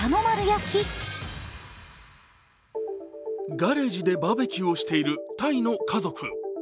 ガレージでバーベキューをしているタイの家族。